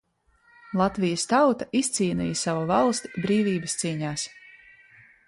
Latvijas tauta izc?n?ja savu valsti Br?v?bas c???s.